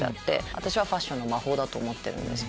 私はファッションの魔法だと思ってるんですけど。